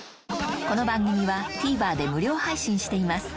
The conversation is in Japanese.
この番組はＴＶｅｒで無料配信しています